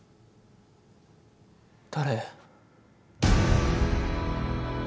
誰？